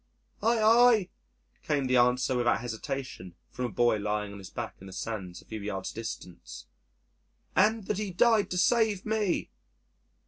"Aye, aye," came the answer without hesitation from a boy lying on his back in the sands a few yards distant, "and that He died to save me."